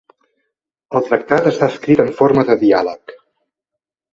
El tractat està escrit en forma de diàleg.